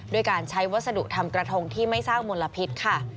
ด้วยการใช้วัสดุทำกระทงที่ไม่สร้างมลพิษค่ะ